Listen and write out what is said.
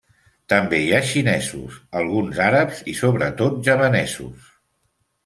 També hi ha xinesos, alguns àrabs i sobretot javanesos.